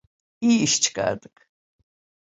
İyi iş çıkardık.